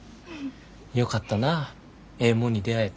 よかったなええ